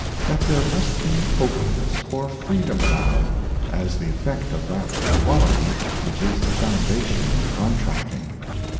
That there must be openness and freedom allowed, as the effect of that Equality which is the foundation of Contracting.